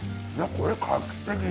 これ画期的！